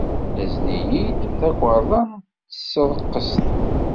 Azen-iyi-d takarḍa n tesreqqest.